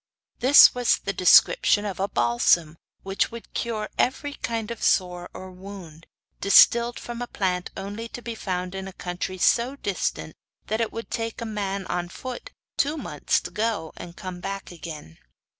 This was the description of a balsam which would cure every kind of sore or wound distilled from a plant only to be found in a country so distant that it would take a man on foot two months to go and come back again.